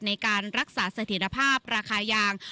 ในการรักษาเสถียรภาพราคายาง